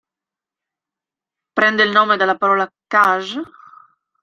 Prende il nome dalla parola "kaj?